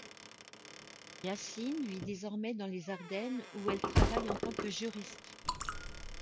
Yacine vit désormais dans les Ardennes ou elle travaille en tant que juriste.